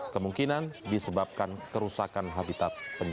kemungkinan disebabkan kerusakan habitat penyakit